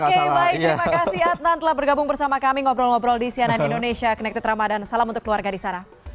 oke baik terima kasih adnan telah bergabung bersama kami ngobrol ngobrol di cnn indonesia connected ramadan salam untuk keluarga di sana